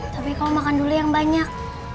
tapi kau makan dulu yang banyak